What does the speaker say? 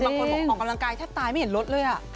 บางคนบอกว่าออกกำลังกายแทบตายไม่เห็นรถเลย